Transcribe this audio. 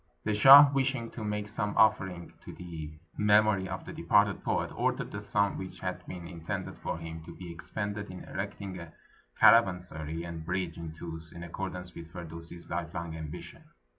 The shah, wishing to make some offering to the mem ory of the departed poet, ordered the simi which had been intended for him to be expended in erecting a caravansery and bridge in Tus, in accordance with Fir dusi's Hfelong ambition.